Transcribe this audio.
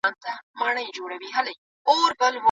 د قرآن او سنت زده کړه د هر مسلمان بنسټ دی.